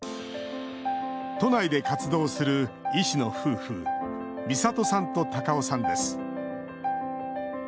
都内で活動する医師の夫婦みさとさんと、たかおさんです。